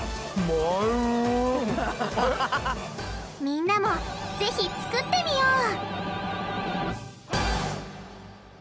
みんなもぜひ作ってみよう！